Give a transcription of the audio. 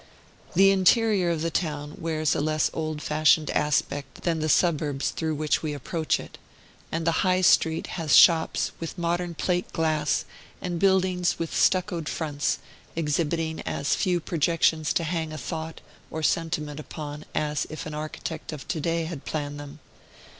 The interior of the town wears a less old fashioned aspect than the suburbs through which we approach it; and the High Street has shops with modern plate glass, and buildings with stuccoed fronts, exhibiting as few projections to hang a thought or sentiment upon as if an architect of to day had planned them.